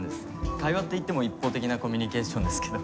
会話っていっても一方的なコミュニケーションですけど。